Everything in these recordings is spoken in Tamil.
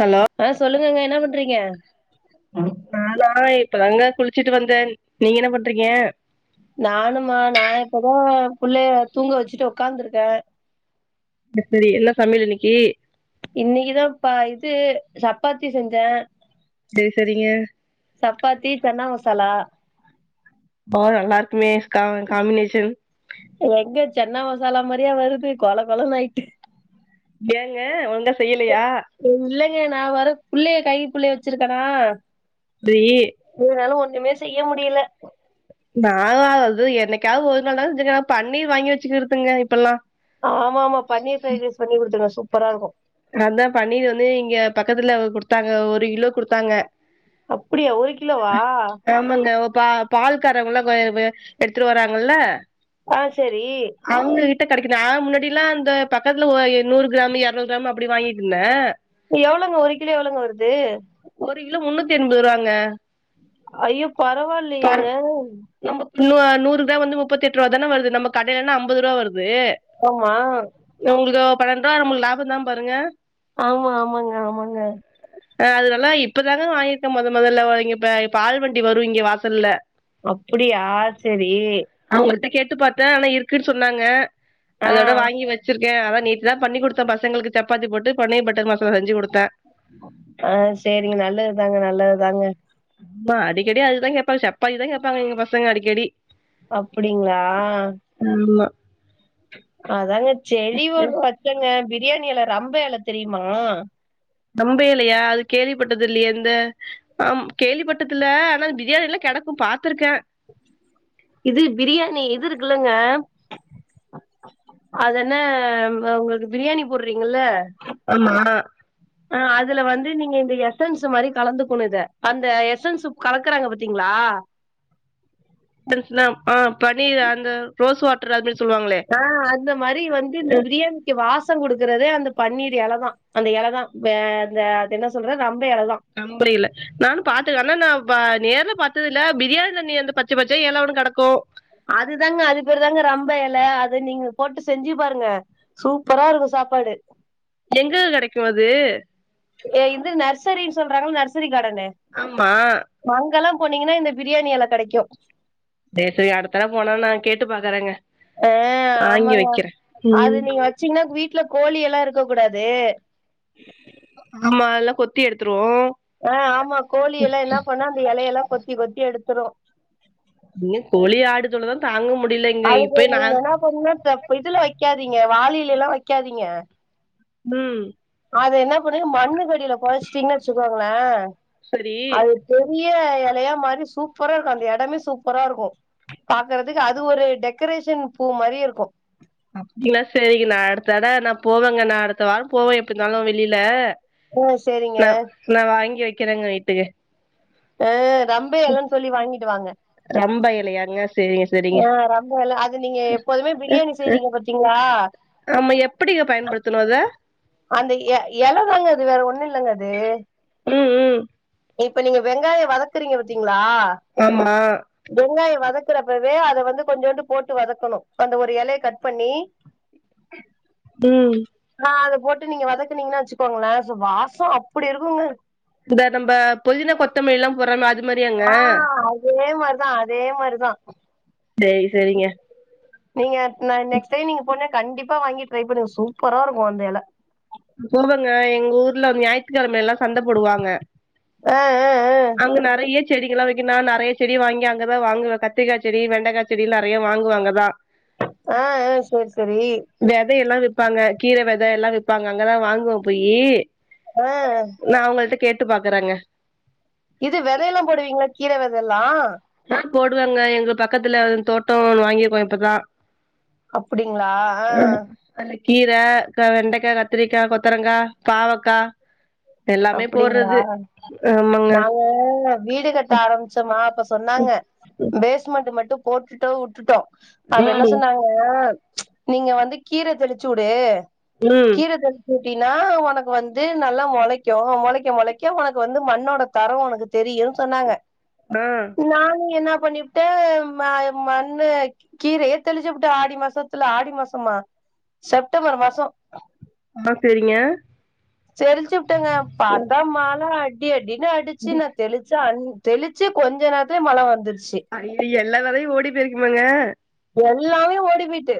ஹலோ ஆ சொல்லுங்கங்க என்ன பண்றீங்க நா தா இப்பதாங்க குளிச்சுட்டு வந்தே நீங்க என்ன பண்றீங்க நானுமா நா இப்பதா புள்ளய தூங்க வச்சுட்டு ஒக்காந்துருக்கே எப்பிடி என்ன சமையல் இன்னைக்கி இன்னிக்கு தாப்ப இது சப்பாத்தி செஞ்சேன் செரி செரிங்க சப்பாத்தி பென்னா மசாலா ஒ நல்லா இருக்குமே ஸ்கா காம்பினேஷன் எங்க சென்னா மசாலா மாரியா வருது கொளகொளன்னு ஆயிட்டு ஏங்க ஒழுங்கா செய்யலையா இல்லங்க நா வேற புள்ளைய கை புள்ளைய வச்சிருக்கனா பெய்யு என்னால ஒண்ணுமே செய்ய முடியல நா ஆது என்னைக்காது ஒரு நாள் தான் செஞ்சிருக்கேன் பன்னீர் வாங்கி வச்சுக்கத்துங்க இப்பெல்லாம் ஆமா ஆமா பன்னீர் ஃப்ரைட் ரைஸ் பண்ணி குடுத்துருங்க சூப்பரா இருக்கும் அத தா பன்னீர் வந்து இங்க பக்கத்துல குடுத்தாங்க ஒரு கிலோ குடுத்தாங்க அப்டியா ஒரு கிலோவா ஆமாங்க ஒப்பா பால்காரங்கல்லா கொ வெ எடுத்துட்டு வராங்கல்ல ஆன் சேரி அவ்ங்க கிட்ட கெடைக்கு நா முன்னாடில்லாம் அந்த பக்கத்துல எ நூறு கிராம் எறநூறு கிராம் அப் அப்டி வாங்கிட்டு இருந்தேன் எவ்ளோங்க ஒரு கிலோ எவ்ளோங்க வருது ஒரு கிலோ முன்னூத் எண்பது ரூபாங்க ஐயோ பரவாயில்லயேங்க நமக்கு நூ நூறு கிராம் வந்து முப்பத்தெட்டு ரூவா தானே வருது நம்ப கடையிலனா அம்பது ரூபா வருது ஆமா நம்மளுக்கு பன்னெண்டு ரூபா அ நம்ளுக்கு லாபம் தா பாருங்க ஆமா ஆமாங்க ஆமாங்க [inaudible] அ அதுனால இப்பதாங்க வாங்கிருக்கேன் மொத மொதல்ல இங்க இப்ப இப்ப பால் வண்டி வரும் இங்க வாசல்ல அப்டியா செரி அவங்கள்ட்ட கேட்டு பாத்தே ஆனா இருக்குன்னு சொன்னாங்க ஆ, அதோட வாங்கி வ ச்சிருக்கேன் அதா நேத்து தா பண்ணி குடுத்தன் பசங்களுக்கு சப்பாத்தி போட்டு பன்னீர் பட்டர் மசாலா செஞ்சு குடுத்தேன் ஆ செரிங்க நல்லதுதாங்க நல்லதுதாங்க மா அடிக்கடி அதுதா கேப்பாங்க சப்பாத்தி தா கேப்பாங்க எங்க பசங்க அடிக்கடி அப்டிங்களா ஆமா அதாங்க செடி ஒன்று வச்சங்க பிரியாணி எல ரம்ப எல தெரியுமா ரம்ப எலயா அது கேள்விப்பட்டது இல்லையே இந்த ஆம் கேள்விப்பட்டதில்ல ஆனா பிரியாணி ல்லா கெடக்கும் பாத்துருக்கேன் இது பிரியாணி இது இருக்குல்லங்க அத என்ன ம் அ உங்களுக்கு பிரியாணி போடுறீங்கல்ல ஆமா ஆன் அதுல வந்து நீங்க இந்த எஸ்என்ஸ் மாரி கலந்துகுணு இத அந்த எஸ்என்ஸ் கலக்கறாங்க பாத்தீங்களா [unintelligible] ஆ பன்னீர் அந்த ரோஸ் வாட்டர் அது மாரி சொல்லுவாங்களே அன் அந்த மாரி வந்து இந்த பிரியா க்கு வாசம் குடுக்குறதே அந்த பன்னீர் எலதா அந்த எலதா வே அது என்ன சொல்றது ரம்ப எல தா நம்புரியல நானும் பாத்துக்கன் ஆனா நா பா நேர்ல பாத்தது இல்ல பிரியாணில அந்த பச்ச பச்சயா எல ஒண்ணு கெடக்கும் அதுதாங்க அது பேரு தாங்க ரம்ப எல அதை நீங்க போட்டு செஞ்சு பாருங்க சூப்பரா இருக்கு சாப்பாடு எங்க கெடைக்கு அது ஏ இது நர்சரின்னு சொல்றாங்கள நர்சரி கார்டனு ஆமா அங்க எல்லா போனீங்கன்னா இந்த பிரியாணி எல கெடைக்கு சேர் சேரி அடுத்தட போனோம்னா நா கேட்டு பாக்கறேங்க ஆ ஆமாங்க அது ம் நீங்க வச்சீங்கன்னா வீட்டுல கோழி எல்லா இருக்க கூடாது ஆமா எல்லா கொத்தி எடுத்துருவோ ஆ ஆமா கோழி எல்லா என்ன பண்ணா அந்த எலையெல்லா கொத்தி கொத்தி எடுத்துரு இங்க கோழி ஆடு தொல்லதா தாங்க முடியலே அதுக்கு நீங்க என்ன பண்ணீனா த இதுல வைக்காதீங்க வாலில எல்லா வெக்காதீங்க ம் அது என்ன பண்ணுங்க மண்ணு கடியில போதச்சிட்டீங்கன்னு வச்சுக்காங்களே சரி அது பெரிய எலையா மாரி சூப்பரா இருக்கு அந்த எடமே சூப்பரா இருக்கு பாக்குறதுக்கு அது ஒரு டெக்கரேஷன் பூ மாரி இருக்கு அப்டினா சரிங்க நா அடுத்தட நா போவேங்க நா அடுத்த வாரம் போவே எப்ப இருந்தாலு வெளியில உ செரிங்க நா நா வாங்கி வெக்கிறங்க வீட்டுக்கு அ ரம்ப எலனு சொல்லி வாங்கிட்டு வாங்க ரம்ப எலையாங்க சரிங்க சரிங்க ஆ ரம்ப எல அது நீங்க எப்போதுமே பிரியாணி செய்றீங்க பாத்திங்ளா ஆமா எப்டிங்க பயன்படுத்தணு அத அந்த எ எலதாங்க அது வேற ஒண்ணு இல்லங்க அது ம் ம் இப்ப நீங்க வெங்காய வதக்றீங்க பத்தீங்ளா ஆமா வெங்காய வதக்குறப்பவே அத வந்து கொஞ்சோண்டு போட்டு வதக்கணு அந்த ஒரு எலய கட் பண்ணி ம் ந அத போட்டு நீங்க வதக்னீங்கனா வச்சுக்கோங்கள சோ வாசோ அப்டி இருக்குங்க இத நம்ம பொதின கொத்தமல்லி லா போறமே அது மாரியாங்க ஆ அதே மாரிதா அதே மாரிதா செரி செரிங்க நீங்க ந நெக்ஸ்ட் டைம் நீங்க போன கண்டிப்பா வாங்கி ட்ரை பண்ணுங்க சூப்பரா இருக்கு அந்த எல போவங்க எங்க ஊர்ல ஞாயித்துகெழமையல்லா சந்தப் போடுவாங்க ஆ ஆ ஆ அங்க நெறய செடிகெல்லா வக்கின்னா நெறைய செடி வாங்கி அங்கதா வாங்குவ கத்திக்கா செடி வெண்டக்கா செடில நெறைய வாங்குவா அங்கதா ஆ ஆ செர் செரி வெதயெல்லா விப்பாங்க கீர வெத எல்லா விப்பாங்க அங்கதா வாங்குவ போயி ஆ நா அவுங்கள்ட்ட கேட்டு பாக்றங்க இது வெதையெல்லா போடுவீங்ளா கீர வெதல்லா ஆ போடுவங்க எங்க பக்கத்துல தோட்டோ ஒன்னு வாங்கியிக்கோ இப்பதா அப்டிங்களா ஆ அதுல கீர வெண்டக்கா கத்திரிக்கா கொத்தரங்கா பாவக்கா எல்லாமே போட்றது அப்டிங்களா ஆமாங்க நாங்க வீடு கட்ட ஆரம்பிச்சோமா அப்ப சொன்னாங்க பேஸ்மெண்ட் மட்டு போட்டுட்டு விட்டுட்டோ அப்ப என்ன ம் சொன்னாங்க நீங்க வந்து கீர தெளிச்சு உடு ம் கீர தெளிச்சு உட்டினா ஒனக்கு வந்து நல்லா மொளைக் கு மொளைக்க மொளைக்க உனக்கு வந்து மண்ணோட தர உனக்கு தெரியுன் சொன்னாங்க ஆ நானு என்னா பண்ணிப்புட்ட ம மண்ணு கீரைய தெளி்ச்சுபுட்ட ஆடி மாசத்துல ஆடி மாசமா செப்டம்பர் மாச அம்மாக் செரிங்க தெளிச்சுவுட்டேங்க பாத்தா மழ அடி அடின் அடிச்சு நா தெளிச்ச அஞ் தெளிச்சு கொஞ்ச நேரத்துலயே மழ வந்துருச்சு ஐயோ எல்லா வெதையு ஓடி போயிருக்குமேங்க எல்லாமே ஓடி போய்ட்டு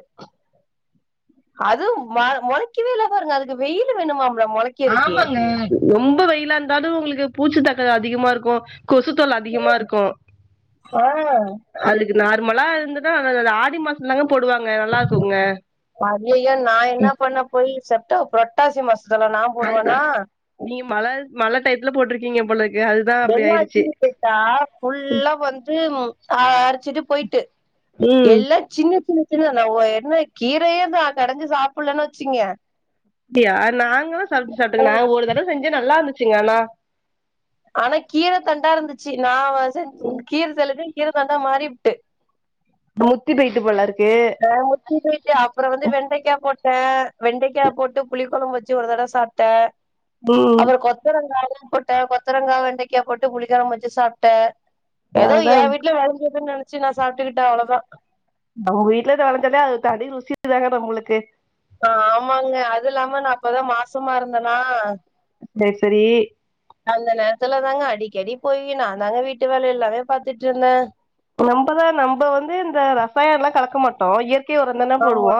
அதுவு ம மொளைக்கவே இல்ல பாருங்க அதுக்கு வெயில் வேணுமாம்ல மொளைக் ஆமாங்க ரொம்ப வெயிலா இருந்தாலு உங்களுக்கு பூச்சி தாக்க அதிகமா இருக்கு கொசு தொல்ல அதிகமாருக்கு ஆ அதுக்கு நார்மலா இருந்துதா ஆடி மாச தாங்க போடுவாங்க நல்லா இருக்குங்க ஐயய நா என்ன பண்ண போய் செப்டம் புரட்டாசி மாசத்துல நா போடுவனா நீங்க மழ மழ டைத்துல போட்டிருக்கீங்க போல இருக் என்னாச்சி கேட்டா ஃபுல்லா வந்து அடிச்சிட்டு போய்ட்டு ம் எல்ல சின்ன சின்ன சின்ன நாங்க என்ன கீரயே நா கடைஞ்சு சாப்டலன் வச்சுகங்க அப்டியா நாங்கல்லா சமச்சு சாப்ட்டோங்க நாங்க ஒரு தடவ செஞ்ச நல்லாருந்துச்சுங்க ஆனா ஆனா கீர தண்டா இருந்துச்சு நா வ செஞ்சு கீர தெளிச்சு கீர தண்டா மாறி புட்டு முத்தி போய்ட்டு போலருக்கு ஆ முத்தி போயிட்டு அப்ற வந்து வெண்டைக்கா போட்ட வெண்டைக்கா போட்டு பு ளி கொழம்பு வச்சு ஒரு தடவ சாப்ட்ட ம் அதோட கொத் தரங்காய்லா போட்ட கொத்தரங்கா வெண்டைக்கா போட்டு புளிக் கொழம்பு வச்சு சாப்ட்ட எதோ அதா ஏன் வீட்ல விளஞ்சதுன் நெனச்சு நா சாப்ட்டுக்கிட்ட அவ்ளதா நம்ப வீட்லத வெளஞ்சத அது தனி ருசிதான நம்பளுக்கு ஆ ஆமாங்க அது இல்லாம நா அப்பதா மாசமா இருந்தனா டெர் செரி அந்த நேரத்துல தாங்க அடிக்கடி போயி நா தாங்க வீட்டு வேல எல்லாமே பாத்துட்டு இருந்த நம்பதா நம்ப வந்து இந்த ரசாயல்லா கலக்க மாட்டோ இ ஆமா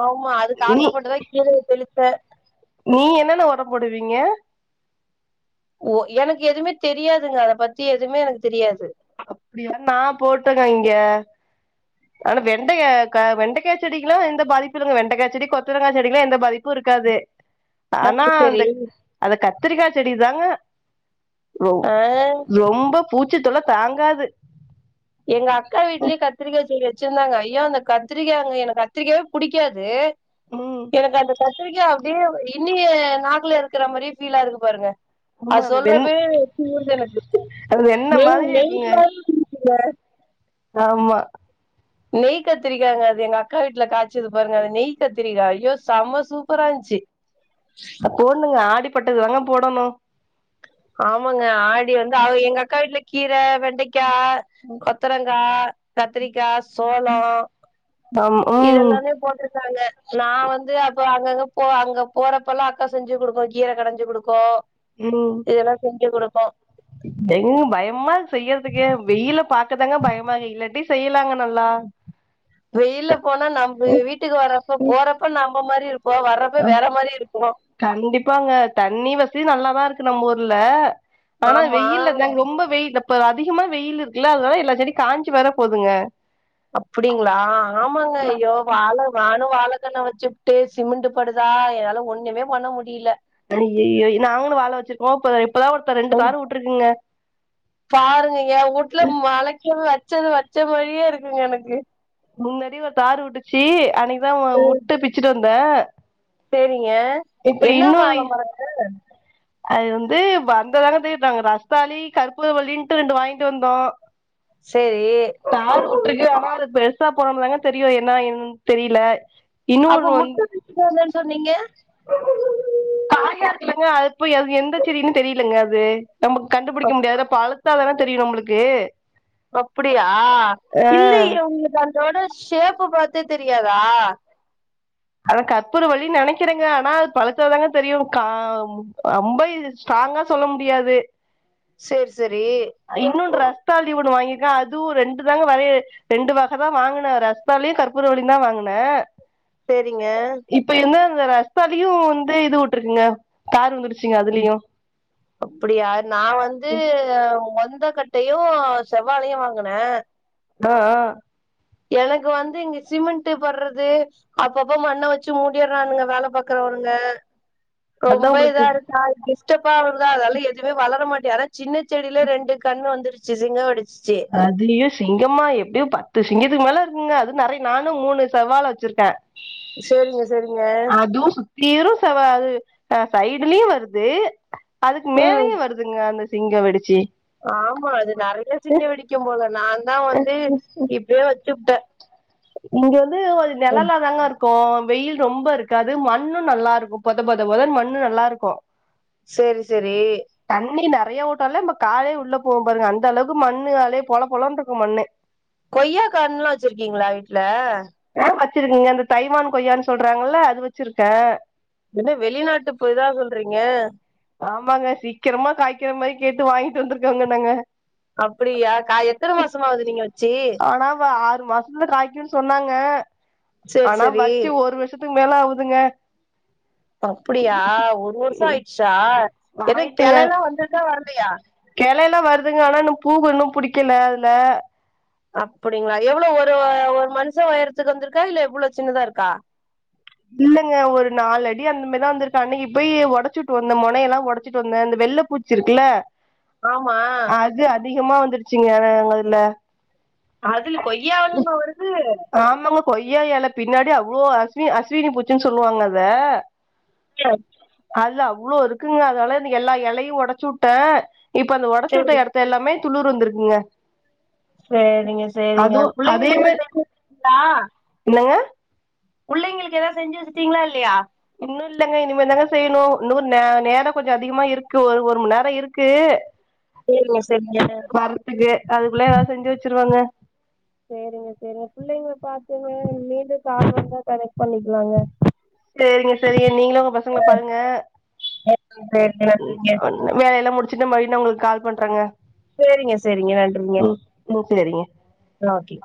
ஆமா அதுக்கு நீ ஆசைப்பட்டுதா கீரய தெளிச்ச நீ என்னன்ன ஒர போடுவீங்க ஓ எனக்கு எதுமே தெரியாதுங்க அத பத்தி எதுமே எனக்கு தெரியாது அப்டியா நா போட்டங்க இங்க ஆனா வெண்டை யக்கா வெண்டக்கா செடிக்குல்லா எந்த பாதிப்பு இல்லங்க வெண்டக்கா செடி கொத்தரங்கா செடிக்குல்லா எந்த பாதிப்பு இருக்காது ஆ ஆனா சரி அந்த அத கத்தரிக்கா செடிதாங்க ரொ ஆ ரொம்ப பூச்சித் தொல்ல தாங்காது எங்க அக்கா வீட்லயே கத்திரிக்கா செடி வெச்சிருந்தாங்க ஐயோ அந்த கத்திரிக்கா அங்க எனக்கு கத்திரிக்காவே புடிக்காது ம் எனக்கு அந்த கத்திரிக்கா அப்டியே இன்னு எ நாக்குல இருக்குற மாரியே ஃபீலாகுது பாருங்க ஆமா அது அந்த வெண் சொல்றப்பயே எச்சி ஊறுது எனக்கு அது வெண்ண நெய் மாதிரி நெய் இருக்குங்க மாரி இருன்ச்ங்க ஆமா நெய் கத்திரிக்காய்ங்க அது எங்க அக்கா வீட்டுல காய்சது பாருங்க அது நெய் கத்திரிக்கா ஐயோ செம்ம சூப்பரா இருன்ச்சு அப் போட்ணுங்க ஆடிப்பட்டது தாங்க போடணு ஆமாங்க ஆடி வந்து அவ எங்க அக்கா வீட்டுல கீர வெண்டைக்கா கொத்தரங்கா கத்திரிக்கா சோளோ ஆம் ம் இதெல்லாமே போட்ருக்காங்க நா வந்து அப்ப அங்கங்க போ அங்க போறப்ப எல்லா அக்கா செஞ்சு குடுக்கு கீர கடைஞ்சு குடுக்கு ம் இதெல்லா செஞ்சு குடுக்கு எங் பயமா இர்க் செய்யறதுக்கே வெயில பாக்கதாங்க பயமா இல்லாட்டி செய்யலாங்க நல்லா வெயில்ல போனா நம்ப வீட்டுக்கு வரப்ப போறப்ப நம்ம மாதிரி இரு ப்போ வரப்ப வேற மாரி இருப்போ கண்டிப்பாங்க தண்ணி வசதி நல்லாதா இருக்கு நம்மூர்ல ஆனா ஆமா வெயில் தாங்க ரொம்ப வெயில் இப்ப அதிகமா வெயிலு இருக்குல்ல அதனால எல்லா செடியு காஞ்சி வேர போதுங்க அப்புடிங்ளா ஆமாங்க அய்யோ வாழ வானு வாழக்கண்ண வச்சுபுட்டு சிமெண்டு படுதா என்னால ஒண்ணுமே பண்ண முடியில அய்யய்யொ நாங்களு வாழ வச்சிருக்கோ இப்ப இப்பதா ஒருத்த ரெண்டு உம், தாறு வுட்ருக்ங்க பாருங்க ஏ ஊட்ல மழக்கது வச்சது வச்ச மாரியே இருக்குங்க எனக்கு முன்னடி ஒரு தாறு வுட்டுச்சு அன்னைக்குதா முட்டு பிச்சுட்டு வந்தே சேரிங்க என்ன வாழ மரங்க அது வந்து வந்ததாங்க தெர்யு நாங்க ரஸ்தாலி கர்ப்பூர வல்லின்ட்டு ரெண்டு வாங்கிட்டு வந்தோ சேரி தாறு வுட்டுருக்கு ஆனா அது பெருசா போனம்லங்க தெரியு என்னா எதுனு தெரியில அப்ப முட்டு பிச்சுட்டு வந்தன்னு சொன்னீங்க காயா இருக்லங்க அது போய் அது எந்த செடின்னு தெரியலங்க அது நமக்கு கண்டுபுடிக்க அப்- முடியாதுல்ல பழுத்தாதானே தெரியு நம்மளுக்கு அப்புடியா ஆ இல்லயே உங்களுக்கு அதோட ஷேப்பு பாத்தே தெரியாதா அத கற்பூரவள்ளினு நனைக்கிறங்க ஆனா அது பழுத்தா தாங்க தெரியு கா அம்ப இது ஸ்ட்டாங்கா சொல்ல முடியாது சேரி சேரி இன்னொன்ற ரஸ்த்தாலி ஒன்னு வாங்கிருக்க அதுவு ரெண்டு தாங்க வரயே ரெண்டு வகதா வாங்குனே ரஸ்த்தாலியு கற்பூர வள்ளியுந்தா வாங்குனே சேரிங்க இப்ப என்ன ர ரஸ்தாலியு வந்து இது வுட்ருக்குங்க காறு வந்துருச்சுங்க அதுலயு அப்டியா நா வந்து மொந்தக்கட்டையு செவ்வாலையு வாங்குனே அ ஆ எனக்கு வந்து இங்க சிமெண்ட்டு பட்றது அப்பப்ப மண்ண வச்சு மூடிறானுங்க வேல பாக்க வருங்க அதா ரொம்ப உங்களுக்கு இதா இருக்கா டிஷ்டப்பா வருதா அதால எதுமே வளரமாட்டி அதா சின்ன செடில ரெண்டு கண்ணு வந்துருச்சு சிங்க வெடிச்சிசு அதுலயு சிங்கமா எப்புடியு பத்து சிங்கத்துக்கு மேல இருக்குங்க அது நெறை நானு மூணு செவ்வால வச்சிருக்கே சேரிங்க செரிங்க தீரும் செவ்வாது அ சைடுலயு வருது அதுக்கு ம் மேலயு வரு துங்க அந்த சிங்க வெடிச்சி ஆமா அது நறைய சிங்க வெடிக்கு போல நாந்தா வந்து இப்டியே வச்சுப்டே இங்க வந்து ஒரு நெழலா தாங்க இருக் கும் வெயில் ரொம்ப இருக்காது மண்ணு நல்லா இருக்கும் பொத பொத பொதன்னு மண்ணு நல்லா இருக்கும் சேரி செரி தண்ணி நறைய ஊத்னாலே நம்ப காலே உள்ள போவும் பாருங்க அந்த அளவுக்கு மண்ணு அலே பொல பொலன்ருக்கு மண்ணு கொய்யாக்கன்லா வச்சிருக்கீங்களா வீட்ல ஆ வச்சிருகங்க அந்த தைவான் கொய்யான் சொல்றாங்கள்ல அது வச்சிருக்க என்ன வெளிநாட்டு பேரா சொல்றீங்க ஆமாங்க சீக்கிரமா காய்க்கிற மாரி கேட்டு வாய்ங்ட்டு வந்துருக்கோங்க நாங்க அப்படியா காய் எத்தன மாசமாகுது நீங்க வச்சி ஆனா வ ஆறு மாசத்துல காய்க்குன் சொன்னாங்க சரி, ஆனா சரி. வச்சு ஒரு வர்ஷத் துக்கு மேல ஆவுதுங்க அப்பிடியா ஒரு வருஷோ ஆய்ச்சா எதுவும் கெளன்னா வந்துதா வரலயா கிளல்லா வருதுங்க ஆனா இன்னும் பூவு இன்னும் புடிக்கல அதுல அப்புடிங்ளா எவ்ளோ ஒரு ஒரு மனுஷ ஒயரத்துக்கு வந்திருக்கா இல்ல எவ்ளோ சின்னதா இருக்கா இல்லங்க ஒரு நாலடி அந்த மாரி தா வந்திருக்கு அன்னைக்கி போயி ஒடச்சுட்டு வந்த மொனையெல்லா ஒடச்சிட்டு வந்த அந்த வெள்ள பூச் சி இருக்குல ஆமா. அது அதிகமா வந்துருச்சுங்க எங்க இதுல அதுங்க கொய்யாவ்லயும்மா வருது ஆமாங்க கொய்யா எல பின்னாடி அவ்ளோ அஸ்வி அஸ்வினி பூச்சுனு சொல்லுவாங்க அத [unintelligible] அதுல அவ்ளோ இருக்குங்க அதனால எல்லா எலையும் ஒடச்சு உட்டே இப்ப அந்த சரி, ஒடச்சுட்ட எடத்து எல்லாமே துளுர் வந்துருக்குங்க சேரிங்க சேரிங்க அதுவு அதே புள்ளைங்களுக்கு மாரி எதுனா செஞ்சி வச்சிங்களா என்னங்க புள்ளைங்களுக்கு எதாவ்து செஞ்சு வச்சுட்டீங்ளா இல்லயா இன்னும் இல்லங்க இனிமே தாங்க செய்னோ இன்னும் ந நேரம் கொஞ்சம் அதிகமா இருக்கு ஒரு ஒரு மண் நேரம் இருக்கு [inaudible] சேரிங்க செய்ங்க வரத்துக்கு அதுக்குள்ள எதாவ்து செஞ்சி வச்சுருவங்க சேரிங்க சேரிங்க பிள்ளைங்க பாத்துங்க இன்மேந்து கால் வந்தா கனெக்ட் பண்ணிக்கலாங்க சேரிங்க சேரிங்க நீங்ளு உங்க பசங்கள பாருங்க சேரிங்க நன்றிங்க வெ வேலயெல்லா முடிச்சுட்டு மறுப்யு நா உங்களுக்கு கால் பண்றங்க சேரிங்க செரிங்க நன்றிங்க ம் சேரிங்க ஓகே